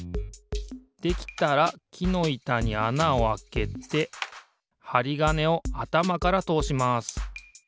できたらきのいたにあなをあけてはりがねをあたまからとおします。